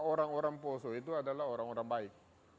orang orang poso itu adalah orang orang baik